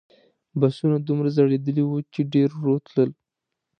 بسونه دومره زړیدلي وو چې ډېر ورو تلل.